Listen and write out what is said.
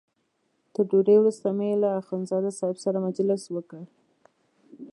تر ډوډۍ وروسته مې له اخندزاده صاحب سره مجلس وکړ.